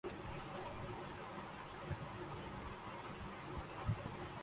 بلکہ اس میں پانچ اسپیشلسٹ بیٹسمینوں سمیت دس کھلاڑی اور بھی ہیں